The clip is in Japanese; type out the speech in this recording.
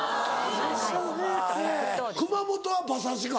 熊本は馬刺しか？